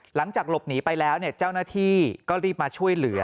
หลังจากหลบหนีไปแล้วเจ้าหน้าที่ก็รีบมาช่วยเหลือ